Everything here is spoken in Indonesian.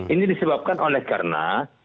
ini disebabkan oleh karena